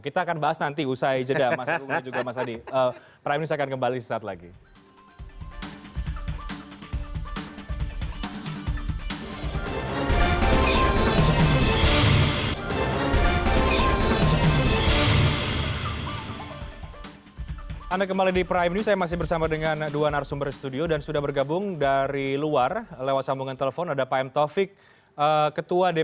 kita akan bahas nanti usai jeda mas unggah juga mas hadi